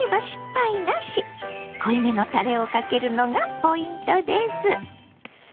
濃いめのたれをかけるのがポイントです。